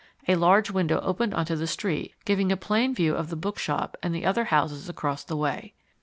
A large window opened onto the street, giving a plain view of the bookshop and the other houses across the way.